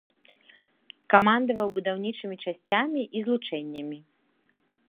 Камандаваў будаўнічымі часцямі і злучэннямі.